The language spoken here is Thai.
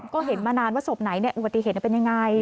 ก็เห็นมานานว่าศพไหนอุบัติเห็นว่าเป็นอย่างไร